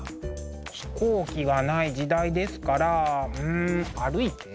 飛行機がない時代ですからうん歩いて？